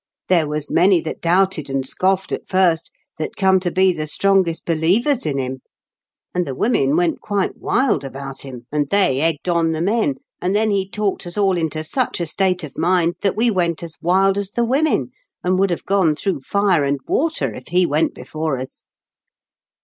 There was many that doubted and scoff'ed at first that come to be the strongest believers in him; and the women went quite wild about him, and they 146 IN KENT WITS CHABLE8 DICKENS. egged on the men, and then he talked us all into such a state of mind that we went as wild as the women, and would have gone through fire and water if he went before us.